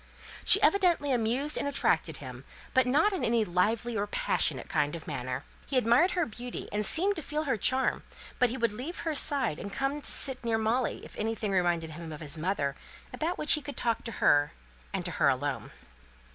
She evidently amused and attracted him, but not in any lively or passionate kind of way. He admired her beauty, and seemed to feel her charm; but he would leave her side, and come to sit near Molly, if anything reminded him of his mother, about which he could talk to her, and to her alone.